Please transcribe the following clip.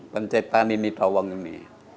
pencetan ini nini tawong ini